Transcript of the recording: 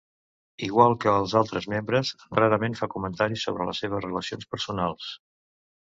Igual que els altres membres, rarament fa comentaris sobre les seves relacions personals.